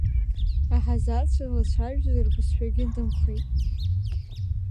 Аҳазарцәа злацәажәоз рбызшәагьы нымхеит.